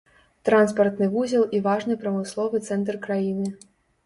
Транспартны вузел і важны прамысловы цэнтр краіны.